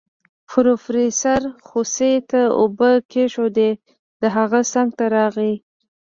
پروفيسر خوسي ته اوبه کېښودې د هغه څنګ ته راغی.